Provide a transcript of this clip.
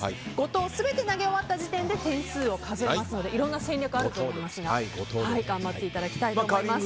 ５投全て投げ終わった時点で点数を数えますのでいろんな戦略あると思いますが頑張ってもらいたいと思います。